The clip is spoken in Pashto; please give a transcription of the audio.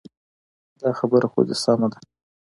دا خبره خو دې سمه ده.